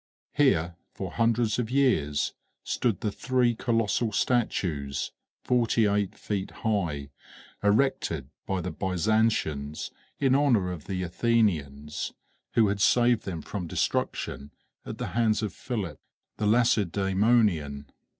Here, for hundreds of years, stood the three colossal statues, forty eight feet high, erected by the Byzantians in honor of the Athenians, who had saved them from destruction at the hands of Philip the Lacedæmonian.